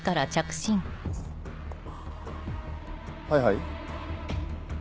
はいはい？